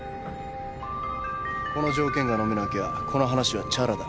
この条件がのめなきゃこの話はちゃらだ。